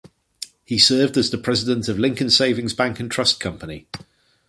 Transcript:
He served as the president of Lincoln Savings Bank and Trust Company.